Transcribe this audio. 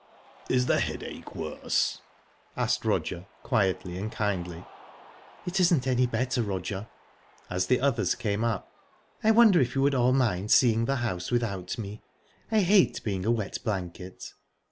"Is the headache worse?" asked Roger, quietly and kindly. "It isn't any better, Roger." As the others came up: "I wonder if you would all mind seeing the house without me? I hate being a wet blanket."